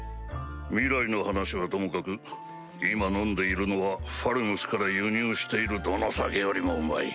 未来の話はともかく今飲んでいるのはファルムスから輸入しているどの酒よりもうまい。